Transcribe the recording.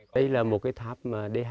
đây là một cái tháp dh